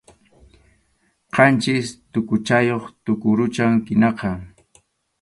Qanchis tʼuquchayuq tuqurucham qinaqa.